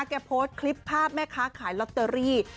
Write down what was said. โพสต์คลิปภาพแม่ค้าขายลอตเตอรี่